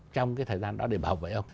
trong cái thời gian đó để bảo vệ ông